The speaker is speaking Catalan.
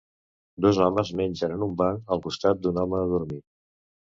Dos homes mengen en un banc al costat d'un home adormit.